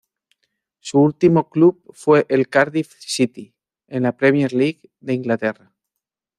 Su último club fue el Cardiff City, de la Premier League de Inglaterra.